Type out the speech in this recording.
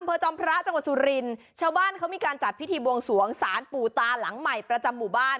จอมพระจังหวัดสุรินทร์ชาวบ้านเขามีการจัดพิธีบวงสวงสารปู่ตาหลังใหม่ประจำหมู่บ้าน